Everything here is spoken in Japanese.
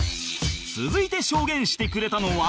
続いて証言してくれたのは